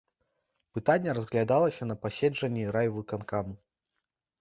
Пытанне разглядалася на паседжанні райвыканкаму.